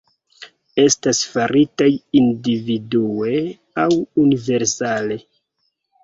Estas faritaj individue aŭ univerzale.